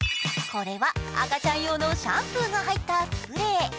これは赤ちゃん用のシャンプーが入ったスプレー。